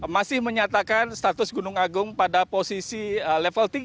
masih menyatakan status gunung agung pada posisi level tiga